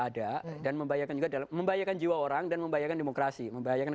ada dan membahayakan juga dalam membahayakan jiwa orang dan membahayakan demokrasi membahayakan